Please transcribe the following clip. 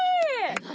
何？